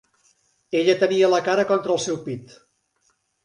Ella tenia la cara contra el seu pit.